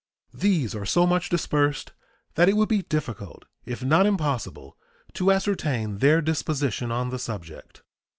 These are so much dispersed that it would be difficult, if not impossible, to ascertain their disposition on the subject.